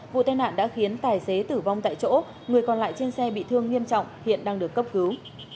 vụ tai nạn đã khiến tài xế tử vong tại chỗ người còn lại trên xe bị thương nghiêm trọng hiện đang được cấp cứu